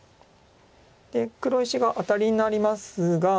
で黒石がアタリになりますが。